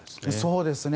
そうですね。